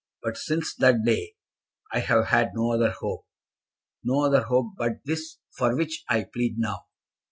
But since that day I have had no other hope, no other hope but this for which I plead now.